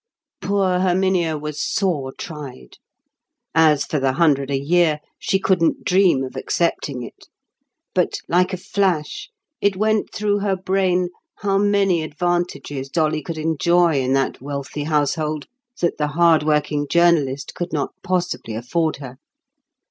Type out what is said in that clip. Poor Herminia was sore tried. As for the hundred a year, she couldn't dream of accepting it; but like a flash it went through her brain how many advantages Dolly could enjoy in that wealthy household that the hard working journalist could not possibly afford her.